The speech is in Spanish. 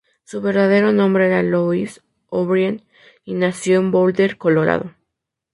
Su verdadero nombre era Louis O'Brien, y nació en Boulder, Colorado.